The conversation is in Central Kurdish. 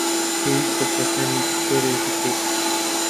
پێویستە سەردانی دکتۆرێک بکەیت.